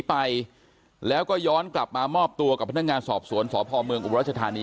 ไปแล้วก็ย้อนกลับมามอบตัวกับพนักงานสอบสวนสพเมืองอุบรัชธานี